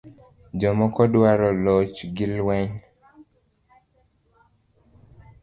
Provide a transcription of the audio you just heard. Jomoko dwaro loch gi lweny